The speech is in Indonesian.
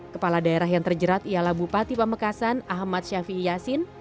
kepala daerah yang terjerat ialah bupati pamekasan ahmad syafi'i yasin